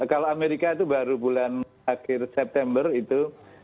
kalau amerika itu baru bulan akhir september itu